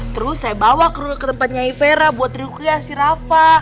terus saya bawa ke tempat nyai vera buat terukiah si rafa